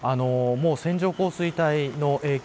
もう線状降水帯の影響